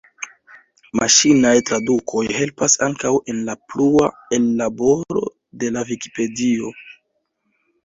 Maŝinaj tradukoj helpas ankaŭ en la plua ellaboro de la Vikipedio.